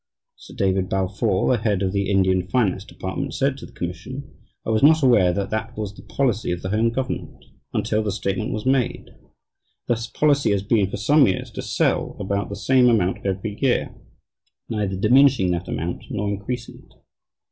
Sir David Balfour, the head of the Indian Finance Department, said to the commission: "I was not aware that that was the policy of the Home government until the statement was made.... The policy has been for some time to sell about the same amount every year, neither diminishing that amount nor increasing it.